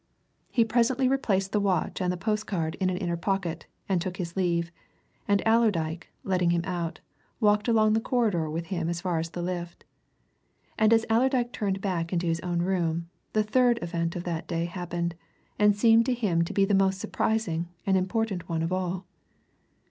He presently replaced the watch and the postcard in an inner pocket, and took his leave, and Allerdyke, letting him out, walked along the corridor with him as far as the lift. And as Allerdyke turned back to his own room, the third event of that day happened, and seemed to him to be the most surprising and important one of all.